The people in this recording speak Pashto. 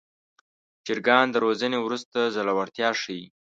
چرګان د روزنې وروسته زړورتیا ښيي.